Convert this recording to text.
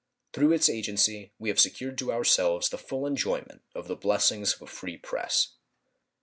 Through its agency we have secured to ourselves the full enjoyment of the blessings of a free press.